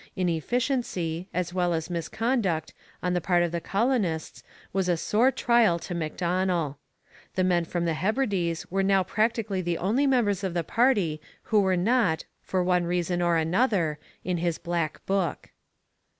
Inefficiency, as well as misconduct, on the part of the colonists was a sore trial to Macdonell. The men from the Hebrides were now practically the only members of the party who were not, for one reason or another, in his black book.